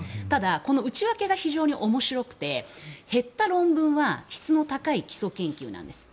その内訳が非常に面白くて減った論文は質の高い基礎研究なんです。